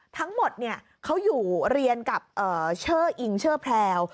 ทั้งหมดเขาอยู่เรียนกับเชอร์อิงเชอร์แพรว